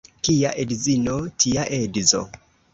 Kia edzino, tia edzo.